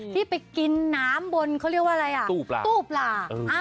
ที่ไปกินน้ำบนเขาเรียกว่าอะไรอ่ะตู้ปลา